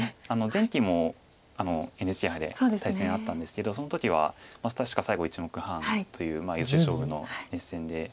前期もＮＨＫ杯で対戦あったんですけどその時は確か最後１目半というヨセ勝負の熱戦で。